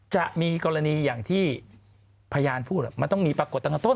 จะมีกรณีอย่างที่พยานพูดมันต้องมีปรากฏตั้งแต่ต้น